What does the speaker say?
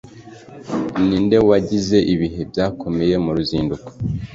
Ninde wagize Ibihe Byakomeye Muruzinduko?